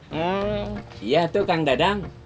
hmm iya tuh kang dadang